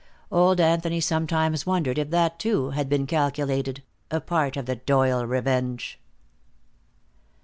Old Anthony sometimes wondered if that, too, had been calculated, a part of the Doyle revenge.